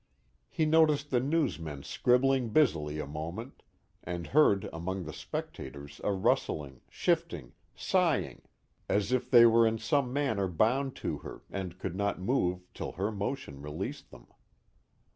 He noticed the newsmen scribbling busily a moment, and heard among the spectators a rustling, shifting, sighing, as if they were in some manner bound to her and could not move till her motion released them.